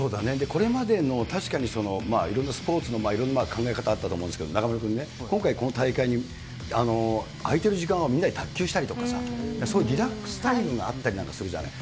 これまでの確かに、いろんなスポーツのいろんな考え方あったと思うんですけれども、中丸君ね、今回のこの大会の空いてる時間はみんなで卓球したりとかさ、そういうリラックスタイムがあったりなんかするじゃない。